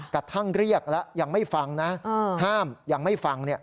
กระทั่งเรียกแล้วยังไม่ฟังนะห้ามยังไม่ฟัง